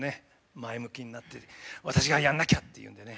前向きになって私がやらなきゃっていうんでね